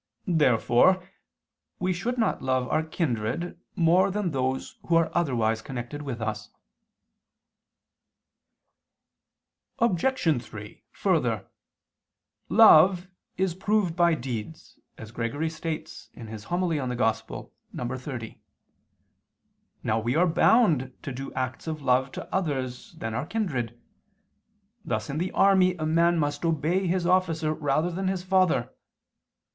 Therefore we should not love our kindred more than those who are otherwise connected with us. Obj. 3: Further, "Love is proved by deeds," as Gregory states (Hom. in Evang. xxx). Now we are bound to do acts of love to others than our kindred: thus in the army a man must obey his officer rather than his father.